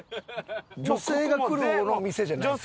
女性が来る方のお店じゃないですか？